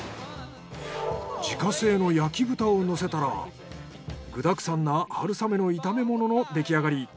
自家製の焼き豚をのせたら具だくさんな春雨の炒め物の出来上がり。